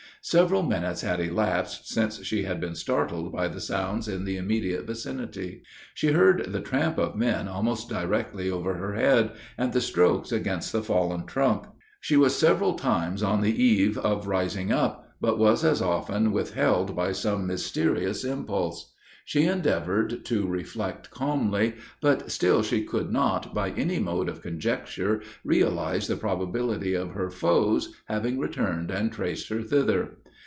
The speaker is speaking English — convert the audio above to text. Several minutes had elapsed since she had been startled by the sounds in the immediate vicinity. She heard the tramp of men almost directly over her head, and the strokes against the fallen trunk. She was several times on the eve of rising up, but was as often withheld by some mysterious impulse. She endeavored to reflect calmly, but still she could not, by any mode of conjecture, realize the probability of her foes having returned and traced her thither.